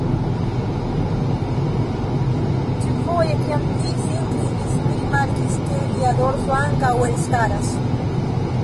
Ĉiufoje kiam li sin klinis, mi rimarkis, ke lia dorso ankaŭ elstaras.